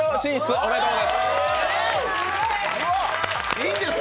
ありがとうございます。